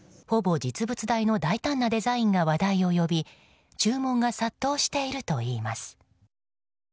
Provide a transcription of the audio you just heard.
ほぼ実物大の大胆なデザインが話題を呼び注文が殺到しているといいます。